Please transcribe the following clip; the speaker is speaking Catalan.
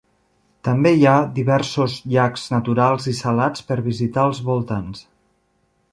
També hi ha diversos llacs naturals i salats per visitar als voltants.